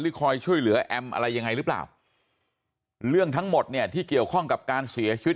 คอยช่วยเหลือแอมอะไรยังไงหรือเปล่าเรื่องทั้งหมดเนี่ยที่เกี่ยวข้องกับการเสียชีวิต